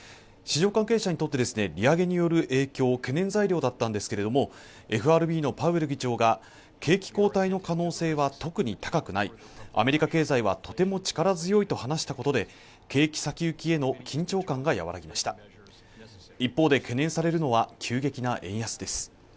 市場関係者にとって利上げによる影響を懸念材料だったんですけれどもＦＲＢのパウエル議長が景気後退の可能性は特に高くないアメリカ経済はとても力強いと話したことで景気先行きへの緊張感が和らぎました一方で懸念されるのは急激な円安です